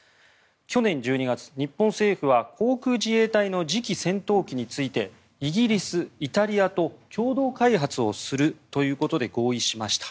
去年１２月、日本政府は航空自衛隊の次期戦闘機についてイギリス、イタリアと共同開発をするということで合意しました。